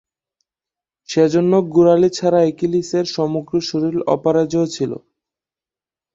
সেজন্য গোড়ালি ছাড়া অ্যাকিলিসের সমগ্র শরীর অপরাজেয় ছিল।